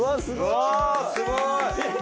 おすごい。